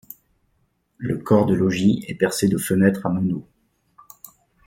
Le corps de logis est percé de fenêtres à meneaux.